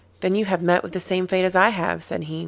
'Then you have met with the same fate as I have,' said he.